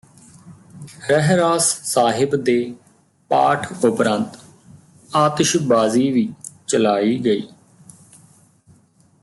ਰਹਿਰਾਸ ਸਾਹਿਬ ਦੇ ਪਾਠ ਉਪਰੰਤ ਆਤਿਸ਼ਬਾਜ਼ੀ ਵੀ ਚਲਾਈ ਗਈ